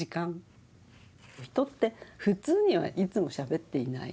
人って普通にはいつもしゃべっていない。